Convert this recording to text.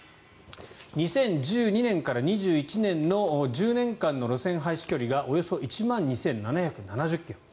２０１２年から２１年の１０年間の路線廃止距離がおよそ１万２７７０ｋｍ。